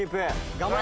頑張れ！